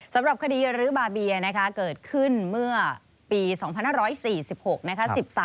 สำหรับคดีรื้อบาเบียนะคะเกิดขึ้นเมื่อปี๒๕๔๖นะคะ